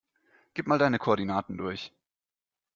Gib mal deine Koordinaten durch.